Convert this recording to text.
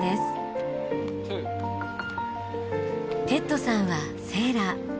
テッドさんはセーラー。